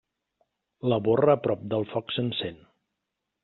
La borra a prop del foc s'encén.